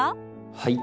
はい。